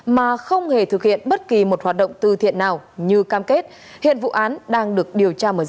mà không hề thực hiện bất kỳ một hoạt động tư thiện nào như cam kết hiện vụ án đang được điều tra mở rộng